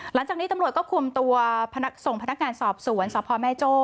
หลังจากนี้ตำรวจก็คุมตัวส่งพนักงานสอบสวนสพแม่โจ้